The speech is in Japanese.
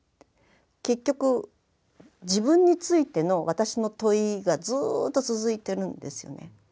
結局自分についての私の問いがずっと続いてるんですよね。